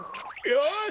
よし！